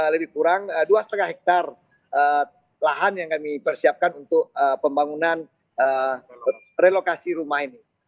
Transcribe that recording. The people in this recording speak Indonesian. lebih kurang dua lima hektare lahan yang kami persiapkan untuk pembangunan relokasi rumah ini